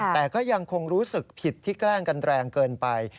แต่ก็ยังคงรู้สึกผิดที่แกล้งกันแรงเกินไป